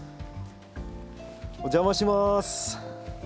お邪魔します。